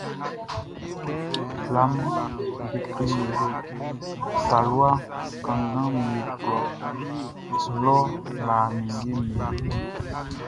Blaʼm be kle talua kannganʼm be klɔ lɔ lã ninngeʼm be yolɛ.